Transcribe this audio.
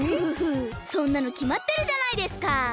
フフフそんなのきまってるじゃないですか！